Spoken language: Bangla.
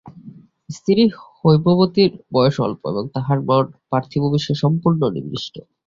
স্ত্রী হৈমবতীর বয়স অল্প এবং তাহার মন পার্থিব বিষয়ে সম্পূর্ণ নিবিষ্ট।